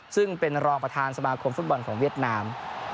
ซึ่งเป็นรองประธานสมาคมฟุตบอลของเวียดนาม